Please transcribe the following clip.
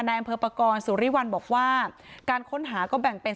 อำเภอประกอบสุริวัลบอกว่าการค้นหาก็แบ่งเป็น